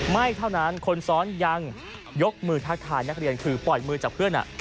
ไม่เท่านั้นคนซ้อนยังยกมือทักทายนักเรียนคือปล่อยมือจากเพื่อน